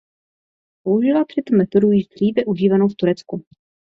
Použila přitom metodu již dříve užívanou v Turecku.